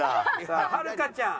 さあはるかちゃん。